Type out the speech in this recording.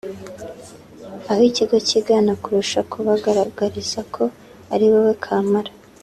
aho ikigo kigana kurusha kubagaragariza ko ari wowe kamara